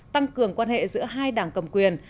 tăng cường quan hệ giữa hai đảng cầm quyền